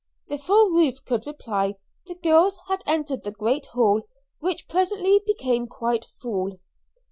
Before Ruth could reply the girls had entered the great hall, which presently became quite full.